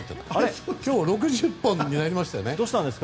今日、６０本になりましたよね。